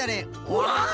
うわ！